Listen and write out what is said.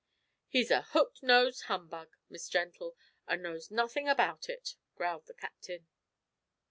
"He's a hooked nosed humbug, Miss Gentle, an' knows nothing about it," growled the captain.